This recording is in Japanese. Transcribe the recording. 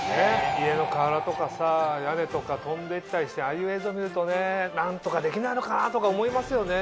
家の瓦とか屋根とか飛んでいったりしてああいう映像見るとね何とかできないのかな？とか思いますよね。